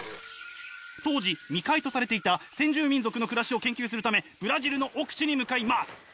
当時未開とされていた先住民族の暮らしを研究するためブラジルの奥地に向かいます！